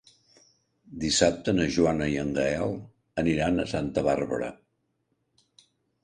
Dissabte na Joana i en Gaël aniran a Santa Bàrbara.